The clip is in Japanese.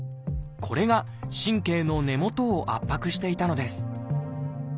これが神経の根元を圧迫していたのです。